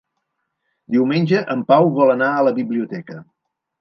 Diumenge en Pau vol anar a la biblioteca.